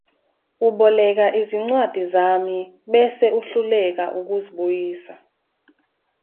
Uboleka izincwadi zami bese uhluleka ukuzibuyisa.